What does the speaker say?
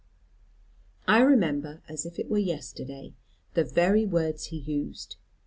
I remember, as if it were yesterday, the very words he used.